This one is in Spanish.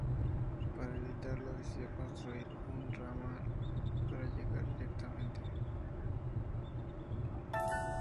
Para evitarlo decidió construir un ramal para llegar directamente.